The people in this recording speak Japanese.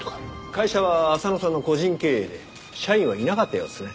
会社は浅野さんの個人経営で社員はいなかったようですね。